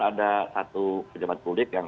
ada satu pejabat publik yang